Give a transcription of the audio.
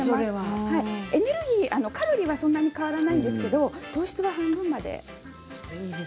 カロリーはそんなに変わらないんですけれど糖質は半分まで。